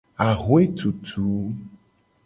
Axwe tutu.